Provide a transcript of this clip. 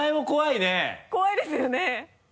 怖いですよね。